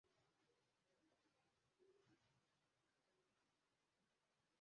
Mfite imyaka umunani mu Bushinwa bari mu bihe by impinduramatwara Kubera ko data